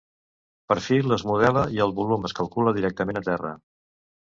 Perfil es modela i el volum es calcula directament a terra.